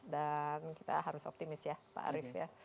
dan kita harus optimis ya pak arief ya